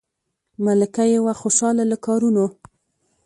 ملکه یې وه خوشاله له کارونو